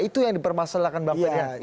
itu yang dipermasalahkan bang ferry